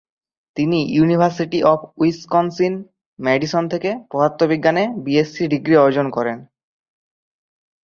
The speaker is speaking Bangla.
তিনি ইউনিভার্সিটি অব উইসকনসিন, ম্যাডিসন থেকে পদার্থবিজ্ঞানে বিএসসি ডিগ্রি অর্জন করেন।